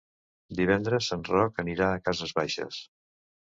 Divendres en Roc anirà a Cases Baixes.